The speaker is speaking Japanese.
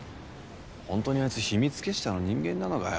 本当にあいつ秘密結社の人間なのかよ？